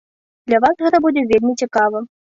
Для вас гэта будзе вельмі цікава.